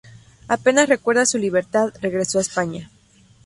Apenas recuperada su libertad, regresó a España.